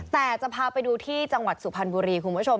แต่จะพาไปดูที่จังหวัดสุพรรณบุรีคุณผู้ชม